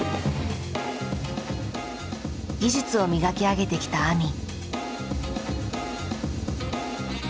技術を磨き上げてきたＡＭＩ。